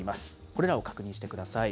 これらを確認してください。